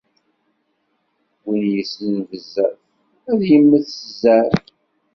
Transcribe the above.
Win yessnen bezzaf, ad yemmet deg zzɛaf